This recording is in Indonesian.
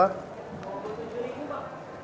dua puluh tujuh ribu pak